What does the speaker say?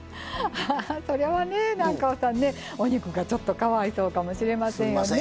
それはね南光さんねお肉がちょっとかわいそうかもしれませんね。